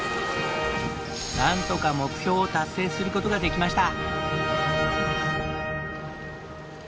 なんとか目標を達成する事ができました。